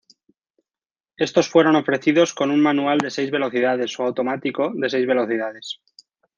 Estos fueron ofrecidos con un manual de seis velocidades o automático de seis velocidades.